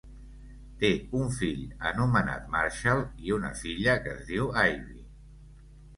Té un fill anomenat Marshall i una filla que es diu Ivy.